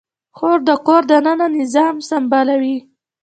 خور د کور دننه نظام سمبالوي.